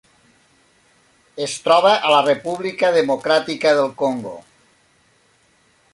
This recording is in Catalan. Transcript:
Es troba a la República Democràtica del Congo.